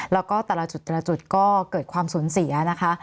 แล้วก็แต่ละจุดก็เกิดความสนเสียนะคะ